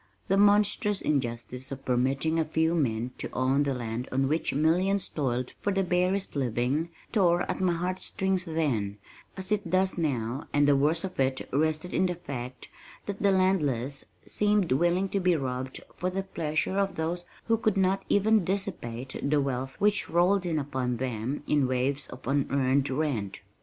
The monstrous injustice of permitting a few men to own the land on which millions toiled for the barest living tore at my heart strings then, as it does now, and the worst of it rested in the fact that the landless seemed willing to be robbed for the pleasure of those who could not even dissipate the wealth which rolled in upon them in waves of unearned rent.